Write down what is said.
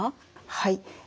はい。